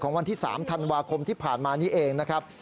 วันที่๓ธันวาคมที่ผ่านมานี้เองนะครับ